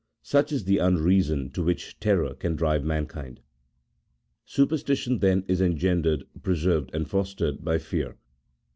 Such is the unreason to which terror can drive mankind ! Superstition, then, is engendered, preserved, and fostered by fear.